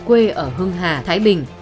quê ở hưng hà thái bình